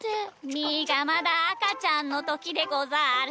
みーがまだあかちゃんのときでござる。